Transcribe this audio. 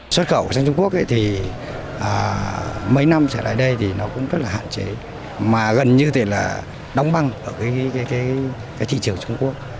xuất khẩu sang trung quốc thì mấy năm trở lại đây thì nó cũng rất là hạn chế mà gần như thì là đóng băng ở cái thị trường trung quốc